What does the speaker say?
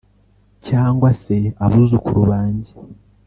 Cyangwa se abuzukuru banjye